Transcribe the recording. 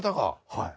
はい。